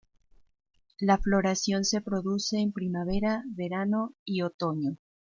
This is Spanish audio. La floración se produce en primavera, verano y otoño.